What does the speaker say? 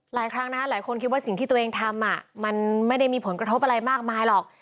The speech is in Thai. หลายครั้งนะคะหลายคนคิดว่าสิ่งที่ตัวเองทำมันไม่ได้มีผลกระทบอะไรมากมายหรอก